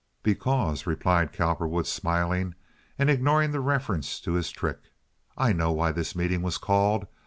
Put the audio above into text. "Because," replied Cowperwood, smiling, and ignoring the reference to his trick, "I know why this meeting was called.